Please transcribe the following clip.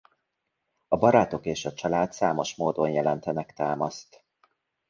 A barátok és a család számos módon jelentenek támaszt.